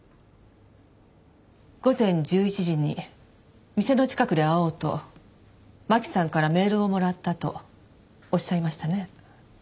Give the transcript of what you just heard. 午前１１時に店の近くで会おうと真輝さんからメールをもらったとおっしゃいましたね？